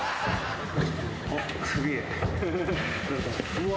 うわ。